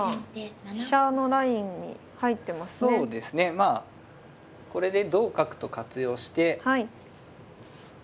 まあこれで同角と活用して。